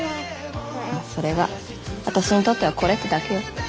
それが私にとってはこれってだけよ。